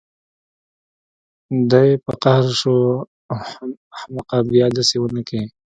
دى په قهر شو حم احمقه بيا دسې ونکې.